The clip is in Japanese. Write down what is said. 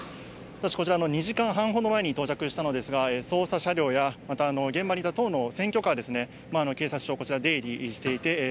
私、こちら２時間半ほど前に到着したのですが、捜査車両やまた現場にいた党の選挙カーですね、警察署、こちら、出入りしていて、